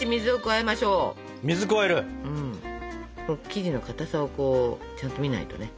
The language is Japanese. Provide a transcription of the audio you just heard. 生地のかたさをこうちゃんと見ないとね。